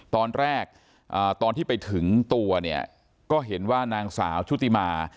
ตอนที่ไปถึงตัวเนี่ยก็เห็นว่านางสาวชุติมา